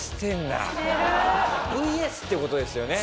ＶＳって事ですよね？